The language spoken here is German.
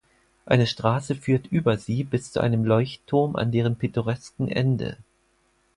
Eine Straße führt über sie bis zu einem Leuchtturm an deren pittoresken Ende.